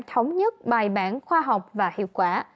thống nhất bài bản khoa học và hiệu quả